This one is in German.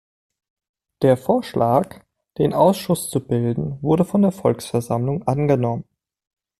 Der Vorschlag, den Ausschuss zu bilden, wurde von der Volksversammlung angenommen.